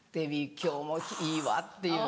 今日もいいわ」っていう。